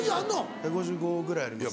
１５５ぐらいあります。